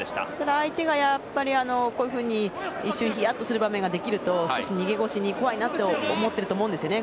相手が一瞬ヒヤッとする場面ができると少し逃げ腰に怖いなと思ってると思うんですね。